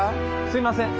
すいません。